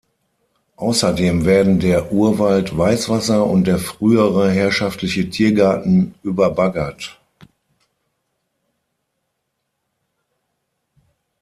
Außerdem werden der Urwald Weißwasser und der frühere herrschaftliche Tiergarten überbaggert.